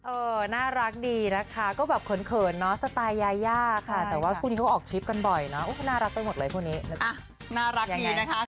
โอ้น่ารักดีนะคะก็แบบเขินเขินเนาะสไตล์ยายาค่ะแต่ว่าพรุ่งนี้เขาออกคลิปกันบ่อยเนาะน่ารักไปหมดเลยพวกนี้อ่ะน่ารักดีนะคะ